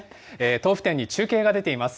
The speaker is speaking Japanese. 豆腐店に中継がいます。